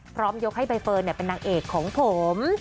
ยกให้ใบเฟิร์นเป็นนางเอกของผม